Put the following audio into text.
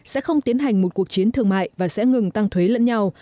sẽ không tiến hành một cuộc chiến thương mại và sẽ ngừng tăng thuế lẫn nhau